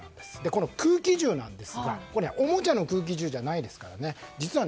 この空気銃なんですがおもちゃの空気銃じゃないですからね。